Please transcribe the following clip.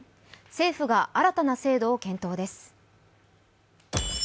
政府が新たな制度を検討です。